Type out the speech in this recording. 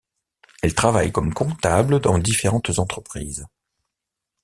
Elle travaille comme comptable dans différentes entreprises.